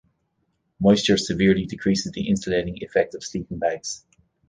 Moisture severely decreases the insulating effect of sleeping bags.